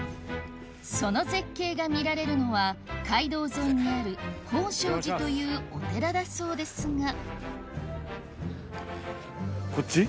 その絶景が見られるのは街道沿いにある宝勝寺というお寺だそうですがこっち？